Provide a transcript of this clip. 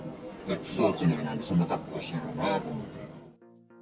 くそ暑いのになんでそんな格好してるのかなと思って。